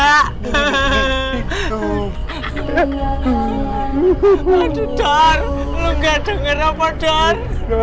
aduh lu nggak denger apa don